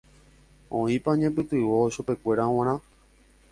Oĩpa ñepytyvõ chupekuéra g̃uarã.